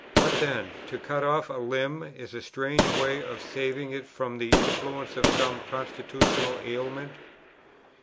What then? to cut off a limb is a strange way of saving it from the influence of some constitutional ailment.